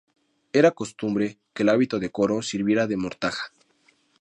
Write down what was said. Era costumbre que el hábito de coro sirviera de mortaja.